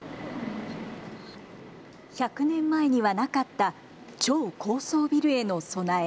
１００年前にはなかった超高層ビルへの備え。